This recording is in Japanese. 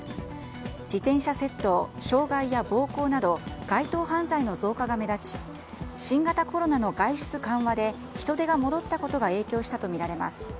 自転車窃盗、傷害や暴行など街頭犯罪の増加が目立ち新型コロナの外出緩和で人出が戻ったことが影響したとみられます。